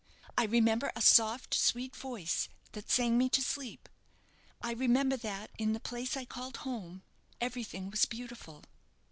I remember a soft, sweet voice, that sang me to sleep. I remember that in the place I called home everything was beautiful."